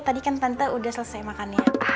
tadi kan tante udah selesai makannya